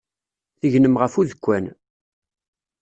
Tegnem ɣef udekkan.